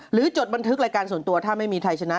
จดบันทึกรายการส่วนตัวถ้าไม่มีใครชนะ